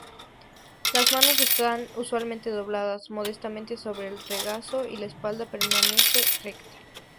Las manos están usualmente dobladas modestamente sobre el regazo y la espalda permanece recta.